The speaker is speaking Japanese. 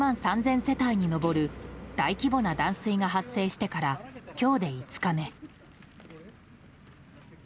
およそ６万３０００世帯に上る大規模な断水が発生してから今日で５日目。